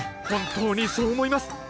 本当にそう思います。